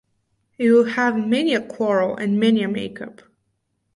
You will have many a quarrel and many a makeup.